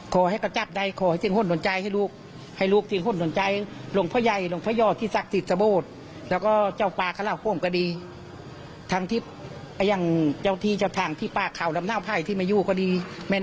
ขอให้มันตายอย่างที่มันทำลูกแม่